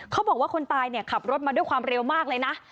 เขาบอกว่าคนตายเนี่ยขับรถมาด้วยความเร็วมากเลยนะ